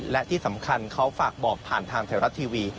และที่สำคัญเขาฝากบอกผ่านทางไทยรัฐทีวี